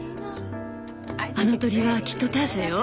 あの鳥はきっとターシャよ。